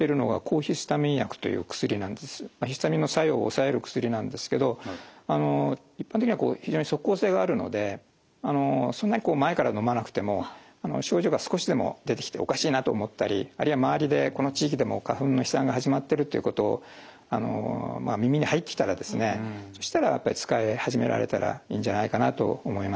ヒスタミンの作用を抑える薬なんですけど一般的には非常に即効性があるのでそんなに前からのまなくても症状が少しでも出てきておかしいなと思ったりあるいは周りでこの地域でもう花粉の飛散が始まってるということを耳に入ってきたらですねそしたら使い始められたらいいんじゃないかなと思います。